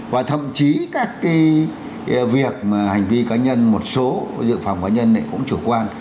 và thậm chí các cái việc mà hành vi cá nhân một số dự phòng cá nhân cũng chủ quan